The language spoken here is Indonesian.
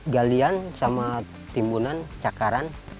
galian sama timbunan cakaran